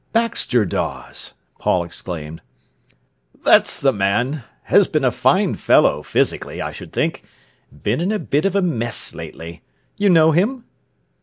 "Baxter Dawes!" Paul exclaimed. "That's the man—has been a fine fellow, physically, I should think. Been in a bit of a mess lately. You know him?"